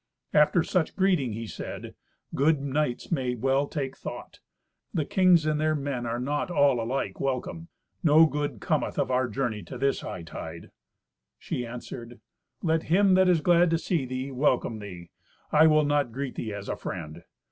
"After such greeting," he said, "good knights may well take thought. The kings and their men are not all alike welcome. No good cometh of our journey to this hightide." She answered, "Let him that is glad to see thee welcome thee. I will not greet thee as a friend.